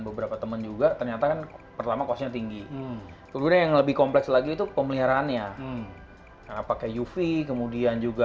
musim punia kayanya yang lebih kompleks lagi itu pemeliharaannya prem pake yuvee kemudian juga